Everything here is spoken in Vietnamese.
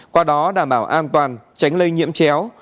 qua đó đảm bảo an toàn tránh lây nhiễm chéo